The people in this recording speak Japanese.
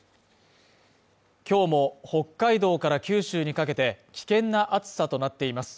今日も北海道から九州にかけて危険な暑さとなっています